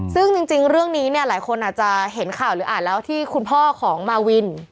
ซึ่งจริงเรื่องนี้เนี่ยหลายคนอาจจะเห็นข่าวหรืออ่านแล้วที่คุณพ่อของมาวิน